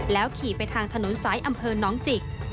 ขี่ไปทางถนนสายอำเภอน้องจิก